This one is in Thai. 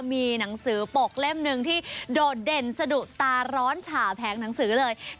มีหนังสือปกเล่มหนึ่งที่โดดเด่นสะดุตาร้อนฉ่าแผงหนังสือเลย